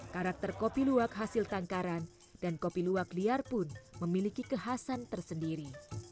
karakter kopi luwak hasil tangkaran dan kopi luwak liar pun memiliki kekhasan tersendiri